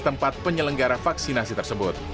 tempat penyelenggara vaksinasi tersebut